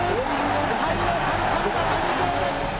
無敗の三冠馬誕生です！